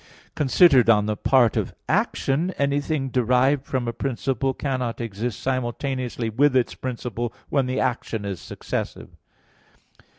Considered on the part of action, anything derived from a principle cannot exist simultaneously with its principle when the action is successive.